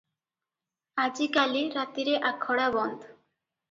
ଆଜିକାଲି ରାତିରେ ଆଖଡ଼ା ବନ୍ଦ ।